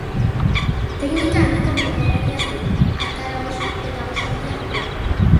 Teknika handiko jokalaria zen, azkarra oso, eta oso argia jokoan.